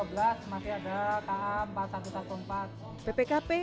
ppkp akan memberikan prioritas perjalanan bagi kereta api penumpang jarak jauh